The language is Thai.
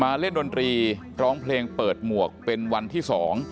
เล่นดนตรีร้องเพลงเปิดหมวกเป็นวันที่๒